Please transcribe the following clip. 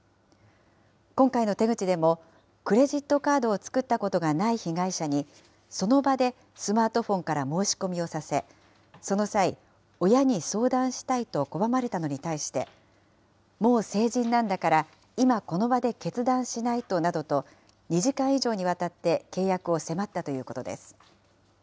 今回の手口でも、クレジットカードを作ったことがない被害者に、その場でスマートフォンから申し込みをさせ、その際、親に相談したいと拒まれたのに対して、もう成人なんだから、今この場で決断しないとなどと、２時間以上にわたって契約を迫ったということです。